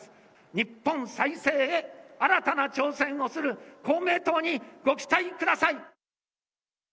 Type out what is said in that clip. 日本再生へ新たな挑戦をする公明党にご期待ください。